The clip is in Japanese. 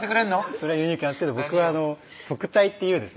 それはユニークなんですけど僕は束帯っていうですね